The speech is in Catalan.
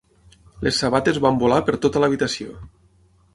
Les sabates van volar per tota l'habitació.